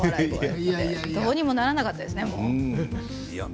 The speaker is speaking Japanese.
どうにもならなかったですね。